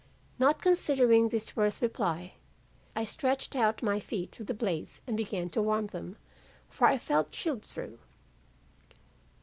"Not considering this worth reply, I stretched out my feet to the blaze and began to warm them, for I felt chilled through.